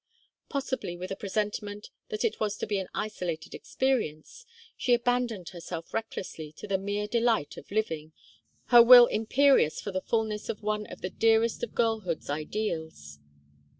Possibly with a presentiment that it was to be an isolated experience, she abandoned herself recklessly to the mere delight of living, her will imperious for the fulness of one of the dearest of girlhood's ideals.